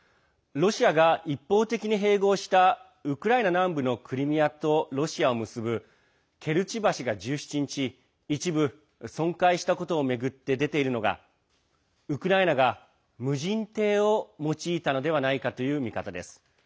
ロシアが一方的に併合したウクライナ南部のクリミアとロシアを結ぶ、ケルチ橋が１７日一部損壊したことを巡って出ているのがウクライナが無人艇を用いたのではないかという見方です。